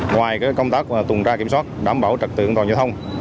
ngoài công tác tùng tra kiểm soát đảm bảo trật tượng toàn giao thông